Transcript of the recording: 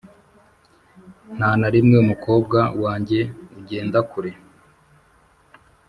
nta na rimwe, umukobwa wanjye ugenda kure